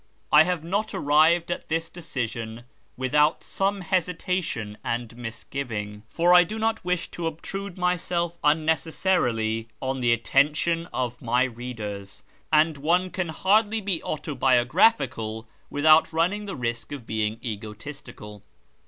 I have not arrived at this decision without some hesitation and misuivino for I do not wish to obtrude myself unnecessarily on the attention of my readers, and one can hardly be autobiographical without running the risk of being egotistical.